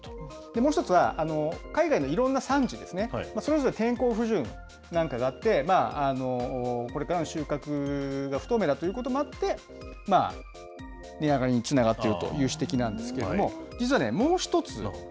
もう一つは、海外のいろんな産地ですね、それぞれ天候不順なんかがあって、これからの収穫が不透明だということもあって、値上がりにつながっているという指摘なんですけど、実はもう一つ。